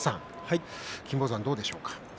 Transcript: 金峰山どうでしょうか。